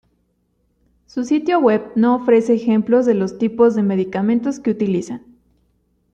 Su sitio web no ofrece ejemplos de los tipos de medicamentos que utilizan.